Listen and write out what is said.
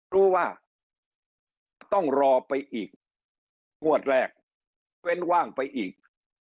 รู้ว่าต้องรอไปอีกงวดแรกยกเว้นว่างไปอีก